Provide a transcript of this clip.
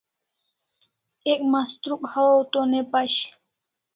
Ek mastruk hawaw to ne pashi